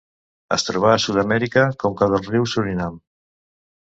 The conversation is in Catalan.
Es troba a Sud-amèrica: conca del riu Surinam.